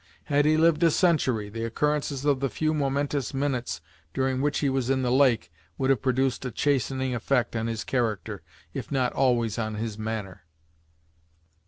Had he lived a century, the occurrences of the few momentous minutes during which he was in the lake would have produced a chastening effect on his character, if not always on his manner.